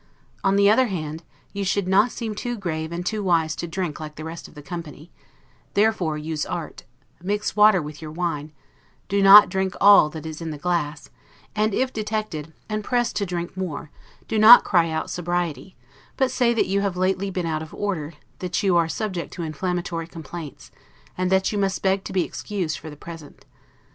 On the other hand, you should not seem too grave and too wise to drink like the rest of the company; therefore use art: mix water with your wine; do not drink all that is in the glass; and if detected, and pressed to drink more do not cry out sobriety; but say that you have lately been out of order, that you are subject to inflammatory complaints, and that you must beg to be excused for the present.